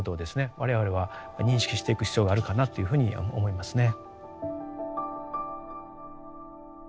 我々は認識していく必要があるかなというふうに思いますね。